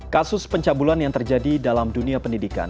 kasus pencabulan yang terjadi dalam dunia pendidikan